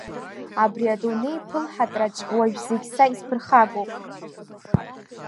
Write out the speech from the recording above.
Абри Адунеи пылҳаҭраҿ, уажә зегь са исԥырхагоуп.